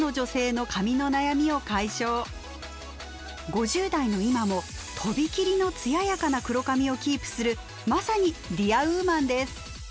５０代の今もとびきりの艶やかな黒髪をキープするまさにディアウーマンです。